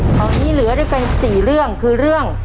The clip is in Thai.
คราวนี้เหลือได้เป็นสี่เรื่องคือเรื่อง